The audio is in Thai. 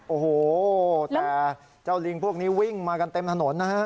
โอ้โหแต่เจ้าลิงพวกนี้วิ่งมากันเต็มถนนนะฮะ